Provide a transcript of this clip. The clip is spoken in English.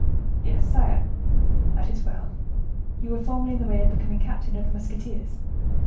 "Yes, sire." "That is well. You were formerly in the way of becoming captain of the musketeers?"